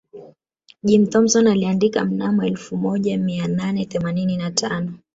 Jim Thompson aliandika mnamo elfu moja mia nane themanini na tano